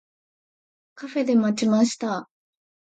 カフェで待ちました。